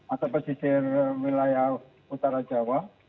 atau pesisir wilayah utara jawa